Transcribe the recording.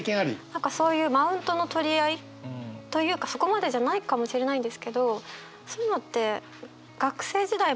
何かそういうマウントの取り合いというかそこまでじゃないかもしれないんですけどそういうのって学生時代もあったなって。